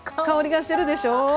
香りがするでしょう？